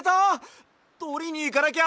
とりにいかなきゃ！